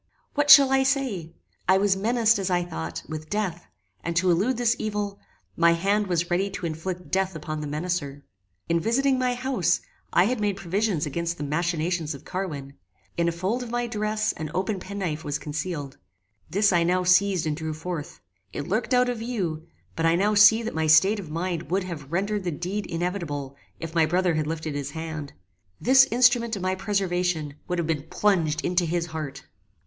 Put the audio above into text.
What shall I say! I was menaced, as I thought, with death, and, to elude this evil, my hand was ready to inflict death upon the menacer. In visiting my house, I had made provision against the machinations of Carwin. In a fold of my dress an open penknife was concealed. This I now seized and drew forth. It lurked out of view: but I now see that my state of mind would have rendered the deed inevitable if my brother had lifted his hand. This instrument of my preservation would have been plunged into his heart.